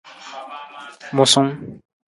Musung.